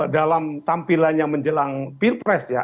dalam tampilannya menjelang peer press ya